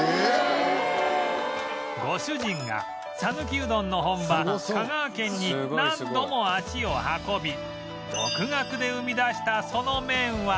ご主人が讃岐うどんの本場の香川県に何度も足を運び独学で生み出したその麺は